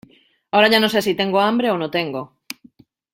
Ahora ya no sé si tengo hambre o no tengo.